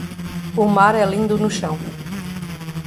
O mar é lindo no chão.